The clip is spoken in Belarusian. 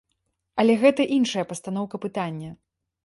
Але гэта іншая пастаноўка пытання.